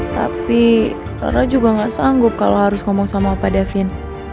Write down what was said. tapi karena juga gak sanggup kalau harus ngomong sama pak davin